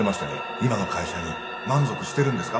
今の会社に満足してますか？